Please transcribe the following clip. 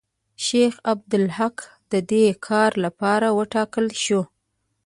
شیخ عبدالحق د دې کار لپاره وټاکل شو.